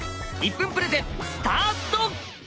１分プレゼンスタート！